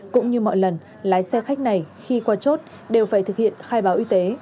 cũng như mọi lần lái xe khách này khi qua chốt đều phải thực hiện khai báo y tế